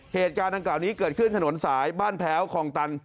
เหตุการณ์ดังกล่าวนี้เกิดขึ้นถนนสายบ้านแพ้วคลองตัน